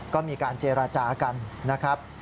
ก็มีการเจรจากันนะครับ